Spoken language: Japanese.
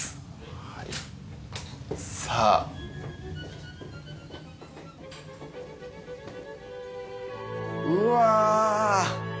はいさぁうわ！